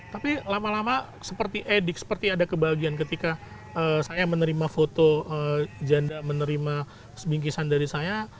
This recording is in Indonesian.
tapi lama lama seperti edik seperti ada kebahagiaan ketika saya menerima foto janda menerima semingkisan dari saya